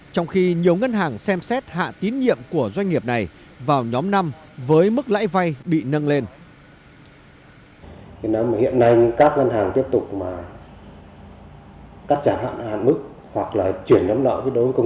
trong khi nhiều ngân hàng xem xét hạ tín nhiệm của doanh nghiệp này vào nhóm năm với mức lãi vay bị nâng lên